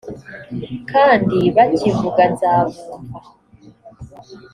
kandi bakivuga nzabumva